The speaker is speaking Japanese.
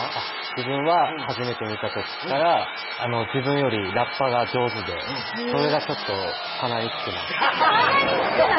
自分は初めて見た時から自分よりラッパが上手でそれがちょっと鼻につくな「鼻につくな」